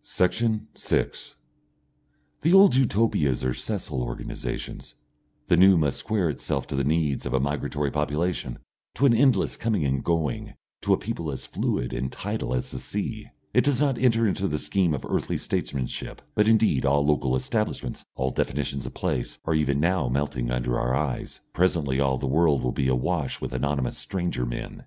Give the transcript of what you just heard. Section 6 The old Utopias are sessile organisations; the new must square itself to the needs of a migratory population, to an endless coming and going, to a people as fluid and tidal as the sea. It does not enter into the scheme of earthly statesmanship, but indeed all local establishments, all definitions of place, are even now melting under our eyes. Presently all the world will be awash with anonymous stranger men.